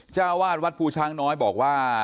เจ้าวาดวัดภูช้างน้อยบอกว่า